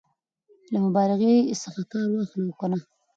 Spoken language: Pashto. له مبالغې څخه کار واخلو او که نه؟